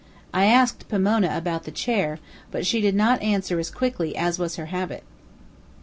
I asked Pomona about the chair, but she did not answer as quickly as was her habit.